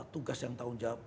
tugas yang tahun jahat